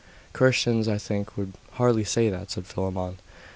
'Christians, I think, would hardly say that,' said Philammon.